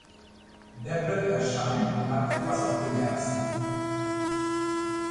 Beppe erscheint und hat etwas auf dem Herzen.